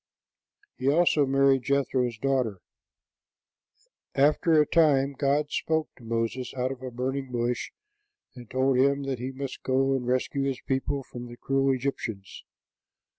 He also married Jethro's daughter. [Illustration: THE GOOD SAMARITAN.] After a time, God spoke to Moses out of a burning bush, and told him that he must go and rescue his people from the cruel Egyptians.